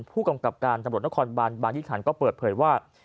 ผู้กำกับการตำรวจนครบานบางยี่ขันก็เปิดเผยว่า